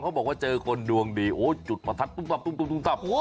เขาบอกว่าเจอคนดวงดีจุดประทัดตุ่มต่ำ